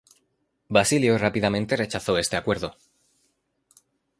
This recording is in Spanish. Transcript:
Basilio rápidamente rechazo este acuerdo.